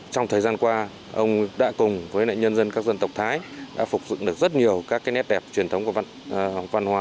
trong thời gian qua ông đã cùng với nhân dân các dân tộc thái đã phục dựng được rất nhiều các nét đẹp truyền thống của văn hóa